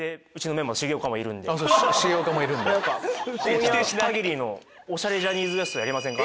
今夜限りのおしゃれジャニーズＷＥＳＴやりませんか？